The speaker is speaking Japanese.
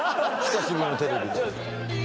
久しぶりのテレビで。